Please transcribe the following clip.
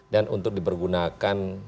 dan untuk dipergunakan